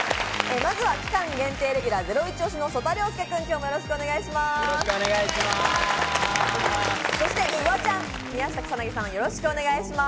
まずは期間限定レギュラー、ゼロイチ推しの曽田陵介君、今日もよろしくお願いします。